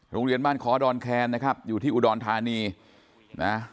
โรงเรียนบ้านคอดอนแคนนะครับอยู่ที่อุดรธานีนะ